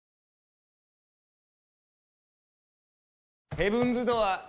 ヘブンズ・ドアー。